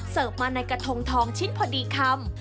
เสิร์ฟมาในกระทงทองชิ้นพอดีค่ำ